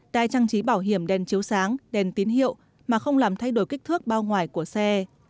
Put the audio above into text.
đai trang trí bảo hiểm đèn chiếu sáng đèn tín hiệu mà không làm thay đổi kích thước bao ngoài của xe